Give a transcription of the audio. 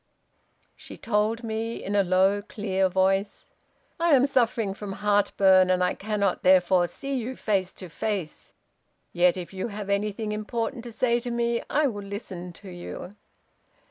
She told me, in a low clear voice, 'I am suffering from heartburn, and I cannot, therefore, see you face to face; yet, if you have anything important to say to me, I will listen to you.'